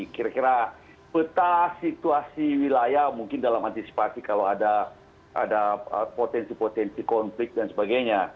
kira kira peta situasi wilayah mungkin dalam antisipasi kalau ada potensi potensi konflik dan sebagainya